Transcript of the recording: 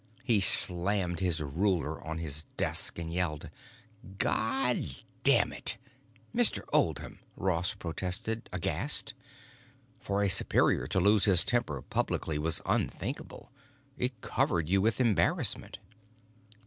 He slammed a ruler on his desk and yelled: "God damn it!" "Mr. Oldham!" Ross protested, aghast. For a superior to lose his temper publicly was unthinkable; it covered you with embarrassment.